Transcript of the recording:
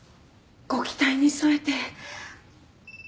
ご期待に沿えて。